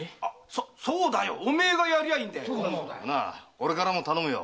俺からも頼むよ。